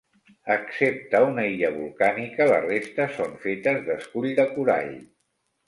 Excepte una illa volcànica la resta són fetes d'escull de corall.